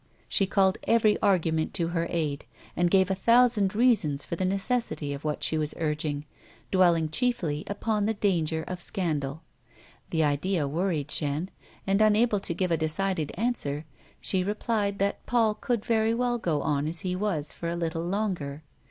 She called every argument to her aid, and gave a thousand reasons for the necessity of what she was urging, dwelling chiefly upon the danger of scandal. The idea worried Jeanne, and, un I 194 A WOMAN'S LIFE. able to give a decided answer, she replied that Paul could very well go on as he was for a little while longer.